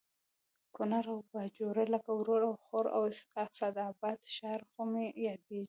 کونړ او باجوړ لکه ورور او خور او اسداباد ښار خو مې یادېږي